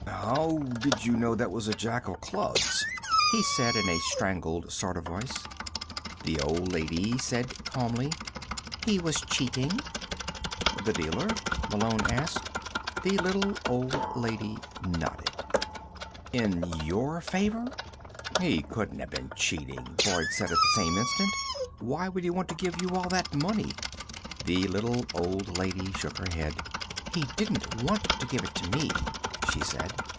"How did you know that was a Jack of clubs?" he said in a strangled sort of voice. The little old lady said calmly: "He was cheating." "The dealer?" Malone asked. The little old lady nodded. "In your favor?" "He couldn't have been cheating," Boyd said at the same instant. "Why would he want to give you all that money?" The little old lady shook her head. "He didn't want to give it to me," she said.